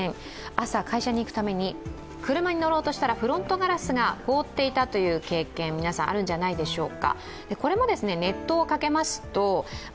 朝、会社に行くために車に乗ろうとしたらフロントガラスが凍っていたという経験、皆さんあるんじゃないでしょうか。